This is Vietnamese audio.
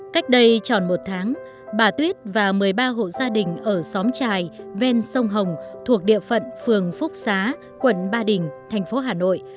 cách đây tròn một tháng bà tuyết và một mươi ba hộ gia đình ở xóm trài ven sông hồng thuộc địa phận phường phúc xá quận ba đình thành phố hà nội